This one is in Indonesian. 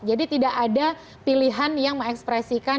jadi tidak ada pilihan yang mengekspresikan